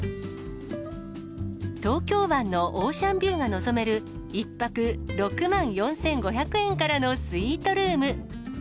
東京湾のオーシャンビューが望める、１泊６万４５００円からのスイートルーム。